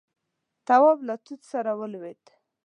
تواب له توت سره ودرېد.